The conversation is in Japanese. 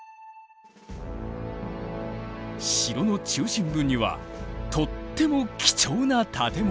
城の中心部にはとっても貴重な建物が。